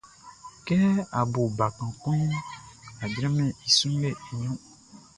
Kɛ a bo bakan kunʼn, a jranmɛn i sunlɛʼn i ɲrun.